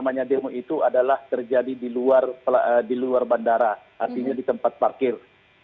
namanya demo itu adalah terjadi di luar bandara artinya di tempat parkir